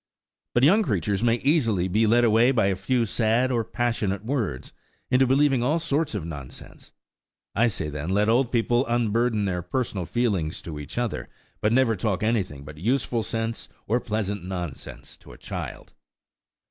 But young creatures may easily be led away by a few sad or passionate words, into believing all sorts of nonsense. I say, then, let old people unburden their personal feelings to each other, but never talk anything but useful sense, or pleasant nonsense, to a child.